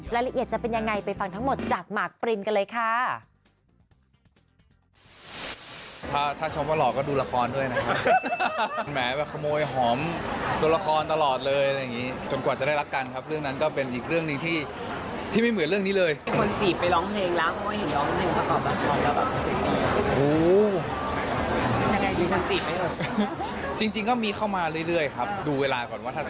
รายละเอียดจะเป็นยังไงไปฟังทั้งหมดจากหมากปรินกันเลยค่ะ